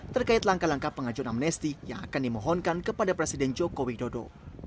terkait langkah langkah pengajuan amnesti yang akan dimohonkan kepada presiden joko widodo